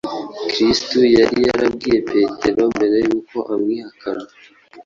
kristo yari yarabwiye petero mbere y’uko amwihakana